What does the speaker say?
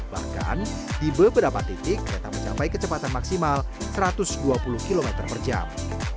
bahkan di beberapa titik kereta mencapai kecepatan maksimal satu ratus dua puluh km per jam